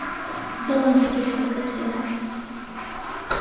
بەڵام ئەگەر کۆکەت هەیە